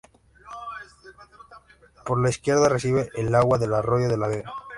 Por la izquierda recibe el agua del arroyo de la Vega.